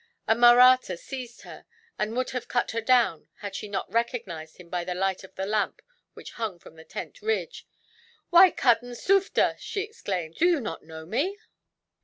A Mahratta seized her, and would have cut her down, had she not recognized him by the light of the lamp which hung from the tent ridge. "Why, cousin Sufder," she exclaimed, "do you not know me?"